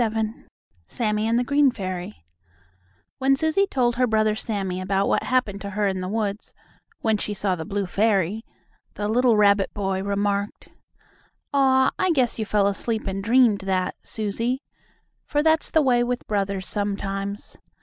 XXVII SAMMIE AND THE GREEN FAIRY When Susie told her brother Sammie about what happened to her in the woods, when she saw the blue fairy, the little rabbit boy remarked: "Aw, I guess you fell asleep and dreamed that, Susie." for that's the way with brothers sometimes.